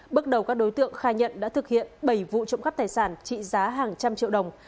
bước đầu các đối tượng khai nhận đã thực hiện bảy vụ trộm cắp tài sản trị giá hàng trăm triệu đồng